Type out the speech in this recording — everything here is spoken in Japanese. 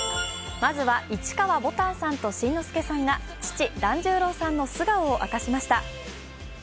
まずは、市川ぼたんさんと新之助さんが父・團十郎さんの素顔を明かしました。